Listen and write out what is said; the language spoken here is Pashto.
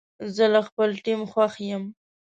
زه له خپل ټیم خوښ یم.